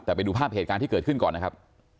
แต่ไปดูภาพเหตุการณ์ที่เกิดขึ้นก่อนนะครับ